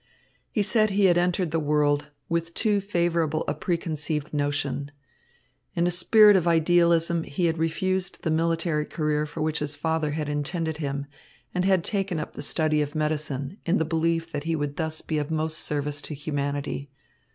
He said he had entered the world with too favourable a preconceived notion. In a spirit of idealism he had refused the military career for which his father had intended him, and had taken up the study of medicine, in the belief that he would thus be of most service to humanity.